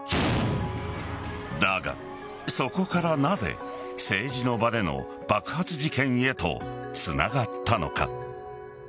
だが、そこからなぜ政治の場での爆発事件へとつながったのか。